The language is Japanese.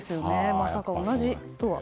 まさか同じとは。